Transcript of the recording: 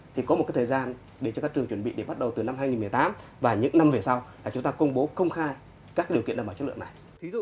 thì có một thời gian để cho các trường chuẩn bị để bắt đầu từ năm hai nghìn một mươi tám và những năm về sau là chúng ta công bố công khai các điều kiện đảm bảo chất lượng này